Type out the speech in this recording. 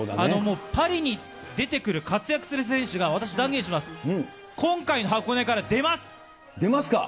もうパリに出てくる、活躍する選手が、私断言します、今回の箱根から出ます。